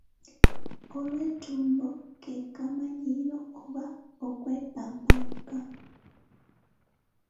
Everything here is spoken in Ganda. Olwetumbo ke kamanyiiro oba okwepampalika.